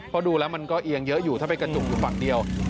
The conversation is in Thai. เพราะดูแล้วมันก็เอียงเยอะอยู่ถ้าไปกระจุกอยู่ฝั่งเดียว